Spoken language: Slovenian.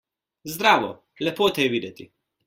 Zdravo! Lepo te je videti!